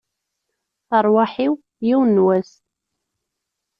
Rrwaḥ-iw, yiwen n wass!